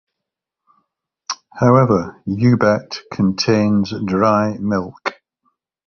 However, U-bet contains dry milk.